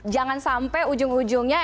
jangan sampai ujung ujungnya